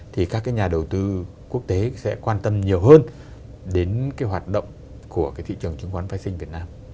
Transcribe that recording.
thì các cái nhà đầu tư quốc tế sẽ quan tâm nhiều hơn đến cái hoạt động của cái thị trường chứng khoán vệ sinh việt nam